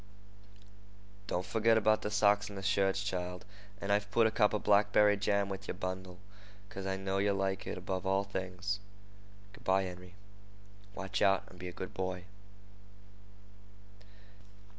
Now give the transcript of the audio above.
"Don't forgit about the socks and the shirts, child; and I've put a cup of blackberry jam with yer bundle, because I know yeh like it above all things. Good by, Henry. Watch out, and be a good boy."